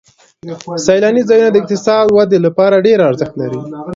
سیلاني ځایونه د اقتصادي ودې لپاره ډېر ارزښت لري.